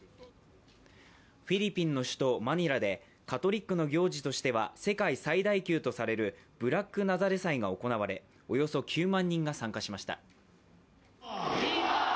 フィリピンの首都マニラでカトリックの行事としては世界最大級とされるブラックナザレ祭が行われ、およそ９万人が参加しました。